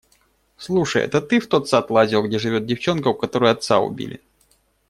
Слушай, это ты в тот сад лазил, где живет девчонка, у которой отца убили?